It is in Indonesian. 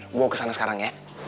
bawa ke sana sekarang ya